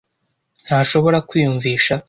ntashobora kwiyumvisha.